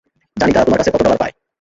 জানি তারা তোমার কাছে কত ডলার পায়।